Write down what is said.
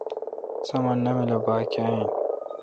سامان نامل اؘ باگ کیا این۔